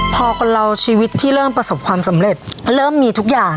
พอชีวิตเริ่มประสบความสำเร็จที่เริ่มมีทุกอย่าง